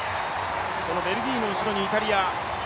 そのベルギーの後ろにイタリア。